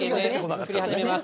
作り始めます。